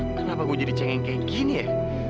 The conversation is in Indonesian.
kenapa gue jadi cengeng kayak gini ya